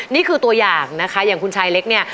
นี่คือตัวอย่างนะคะอย่างคุณชายเล็กเนี่ย